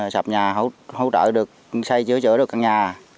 sập nhà hỗ trợ được xây sửa chữa được căn nhà